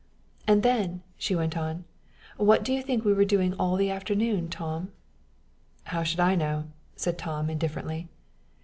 "And then," she went on, "what do you think we were doing all the afternoon, Tom?" "How should I know?" said Tom, indifferently.